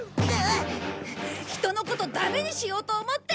人のことダメにしようと思って！